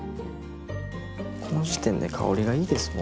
この時点で香りがいいですもう。